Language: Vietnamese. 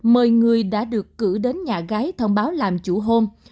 mời người đã được cử đến nhà gái thông báo làm chủ hôm